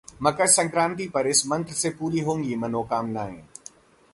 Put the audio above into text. मकर संक्रांति पर इस मंत्र से पूरी होंगी मनोकामनाएं